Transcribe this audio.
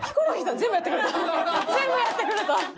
全部やってくれた。